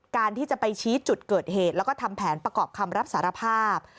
การที่จะไปชี้จุดเกิดเหตุแล้วก็ทำแผนประกอบคำรับสารภาพ